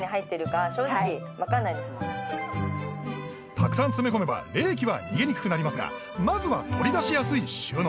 たくさん詰め込めば冷気は逃げにくくなりますがまずは取り出しやすい収納